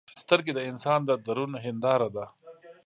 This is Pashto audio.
سترګې د انسان د درون هنداره ده